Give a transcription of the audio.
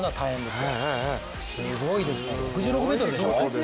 すごいですね、６６ｍでしょ？